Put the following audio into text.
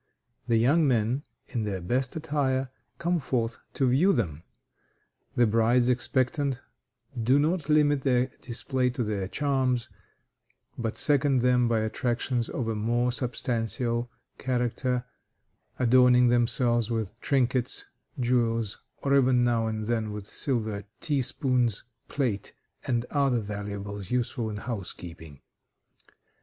The young men, in their best attire, come forth to view them. The brides expectant do not limit their display to their charms, but second them by attractions of a more substantial character, adorning themselves with trinkets, jewels, or even now and then with silver tea spoons, plate, and other valuables useful in housekeeping.